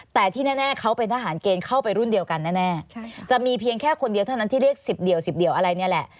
แต่ที่แน่เขาเป็นทหารเกณฑ์เข้าไปรุ่นเดียวกันแน่จะมีเพียงแค่คนเดียวเท่านั้นที่เรียก๑๐เดี่ยว๑๐เดี่ยวอะไรนี่แหละ